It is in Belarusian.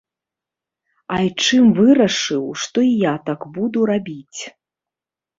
Айчым вырашыў, што і я так буду рабіць.